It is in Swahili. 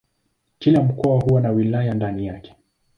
Kila mkoa huwa na wilaya ndani yake.